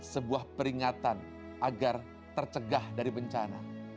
sebuah peringatan agar tercegah dari bencana